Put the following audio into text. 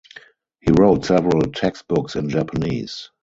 He wrote several textbooks in Japanese.